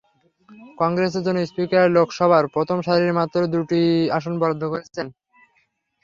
কংগ্রেসের জন্য স্পিকার লোকসভার প্রথম সারির মাত্র দুটি আসন বরাদ্দ করেছেন।